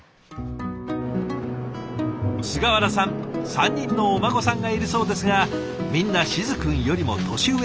菅原さん３人のお孫さんがいるそうですがみんな静くんよりも年上。